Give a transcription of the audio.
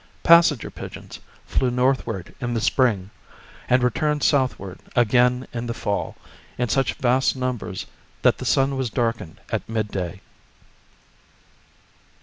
Passenger pigeons flew north ward in the spring, and returned southward again in the fall in such vast numbers that the sun was darkened at mid day.